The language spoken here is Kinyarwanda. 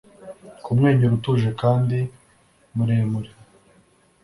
Kumwenyura utuje kandi muremure